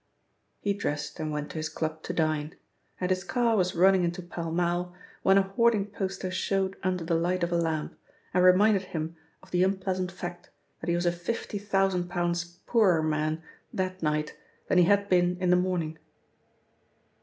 He dressed and went to his club to dine, and his car was running into Pall Mall when a hoarding poster showed under the light of a lamp and reminded him of the unpleasant fact that he was a fifty thousand pounds poorer man that night than he had been in the morning.